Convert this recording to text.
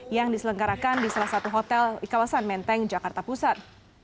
yang diselenggarakan di salah satu hotel di kawasan menteng jakarta pusat